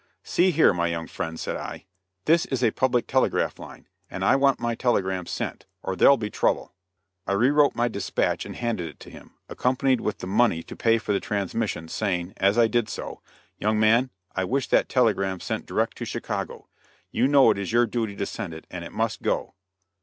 "See here, my young friend," said I, "this is a public telegraph line, and I want my telegram sent, or there'll be trouble." I re wrote my dispatch and handed it to him, accompanied with the money to pay for the transmission, saying, as I did so: "Young man, I wish that telegram sent direct to Chicago. You know it is your duty to send it, and it must go."